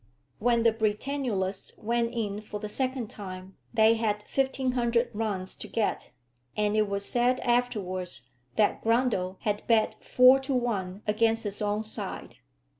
When the Britannulists went in for the second time, they had 1500 runs to get; and it was said afterwards that Grundle had bet four to one against his own side.